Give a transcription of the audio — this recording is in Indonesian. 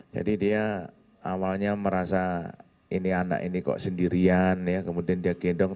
jadi dia awalnya merasa ini anak ini kok sendirian ya kemudian dia gendong